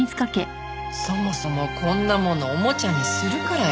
そもそもこんなものオモチャにするからよ。